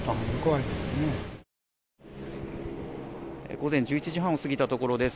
午前１１時半を過ぎたところです。